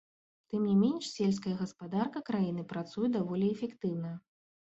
Тым не менш, сельская гаспадарка краіны працуе даволі эфектыўна.